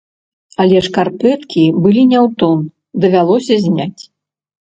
Але шкарпэткі былі не ў тон, давялося зняць!